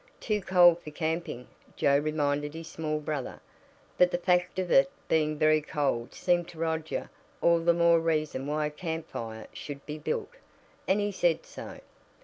"Too cold for camping," Joe reminded his small brother. But the fact of it being very cold seemed to Roger all the more reason why a campfire should be built, and he said so.